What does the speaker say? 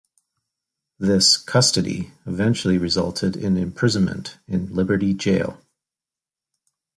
This "custody" eventually resulted in imprisonment in Liberty Jail.